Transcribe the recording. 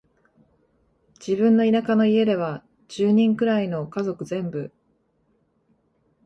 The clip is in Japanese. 自分の田舎の家では、十人くらいの家族全部、